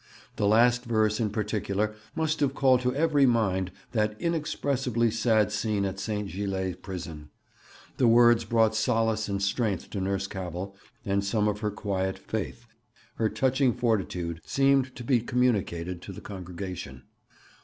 The last verse in particular must have called to every mind that inexpressibly sad scene in St. Gilles' Prison. The words brought solace and strength to Nurse Cavell, and some of her quiet faith, her touching fortitude, seemed to be communicated to the congregation.